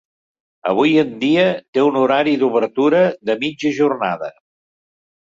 Avui en dia té un horari d'obertura de mitja jornada.